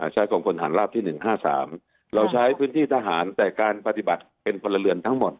ใช้กรงคลหารราภที่หนึ่งห้าสามเราใช้พื้นที่ทหารแต่การปฏิบัติเป็นคนละเรือนทั้งหมด